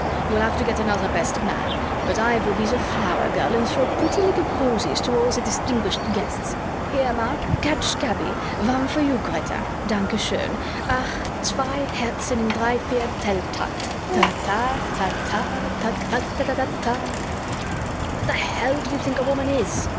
You'll have to get another best man, but I will be the flower girl and throw pretty little posies to all the distinguished guests. Here, Mark. Catch, Kaby. One for you, Greta. Danke schön. Ach, zwei Herzen in dreivierteltakt ... ta ta ... ta ta ... ta ta ta ta ta ..." "What the hell do you think a woman is?"